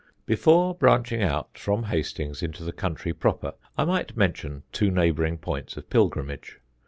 Before branching out from Hastings into the country proper I might mention two neighbouring points of pilgrimage.